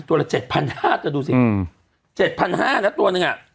ตัวละ๗๕๐๐บาทเดี๋ยวดูสิ๗๕๐๐บาทนะตัวนึงอ่ะ